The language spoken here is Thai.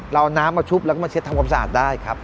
เอาน้ำมาชุบแล้วก็มาเช็ดทำความสะอาดได้ครับ